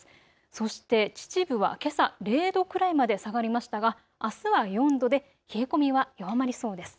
そして秩父はけさ０度くらいまで下がりましたが、あすは４度で冷え込みは弱まりそうです。